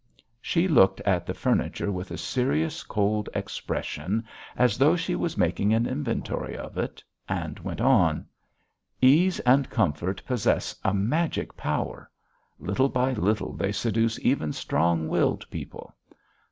She looked at the furniture with a serious, cold expression, as though she was making an inventory of it, and went on: "Ease and comfort possess a magic power. Little by little they seduce even strong willed people.